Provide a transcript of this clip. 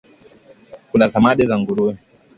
Kuna samadi za nguruwe